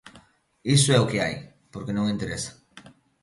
Iso é o que hai, porque non interesa.